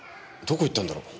どこ行ったんだろう。